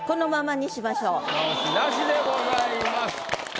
直しなしでございます。